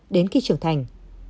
đến khi trưởng thành